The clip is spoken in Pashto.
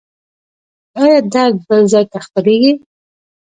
ایا درد بل ځای ته خپریږي؟